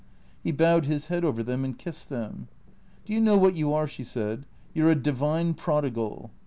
He bowed his head over them and kissed them. " Do you know what you are ?" she said. " You 're a divine prodigal."